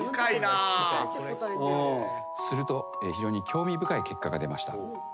すると非常に興味深い結果が出ました。